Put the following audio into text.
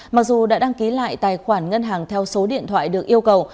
mặc dù đã đăng ký lại tài khoản ngân hàng theo số điện thoại được yêu cầu